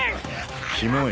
キモい。